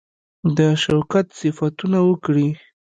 د شوکت صفتونه وکړي.